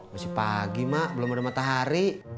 masih pagi mak belum ada matahari